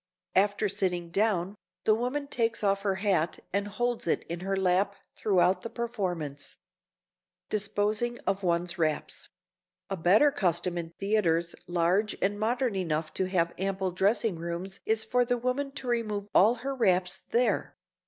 After sitting down, the woman takes off her hat and holds it in her lap throughout the performance. [Sidenote: DISPOSING OF ONE'S WRAPS] A better custom in theaters large and modern enough to have ample dressing rooms is for the woman to remove all her wraps there.